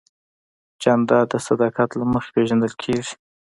جانداد د صداقت له مخې پېژندل کېږي.